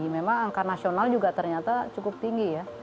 memang angka nasional juga ternyata cukup tinggi ya